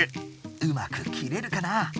うまく切れるかな？